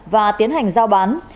và tiến hành giao bán